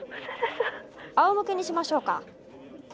あおむけにしましょうか。